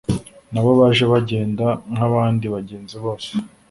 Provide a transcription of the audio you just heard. Nabo baje bagenda nkabandi bagenzi bose